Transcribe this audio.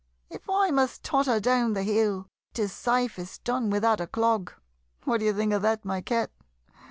If I must totter down the hill, 'Tis safest done without a clog What d'ye think of that, my Cat?